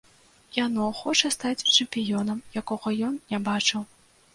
Яно хоча стаць чэмпіёнам, якога ён не бачыў!